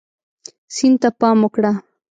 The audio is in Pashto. سیند ته پام وکړه.